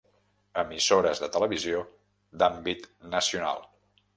Emissores de televisió d'àmbit nacional.